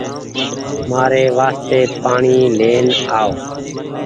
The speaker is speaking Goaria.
مآري واستي پآڻيٚ لين آئو